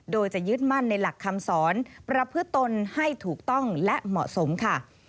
โดยจะยึดมั่นในหลักคำสอนประพฤตนให้ถูกต้องและเหมาะสมค่ะ